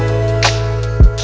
terima kasih ya allah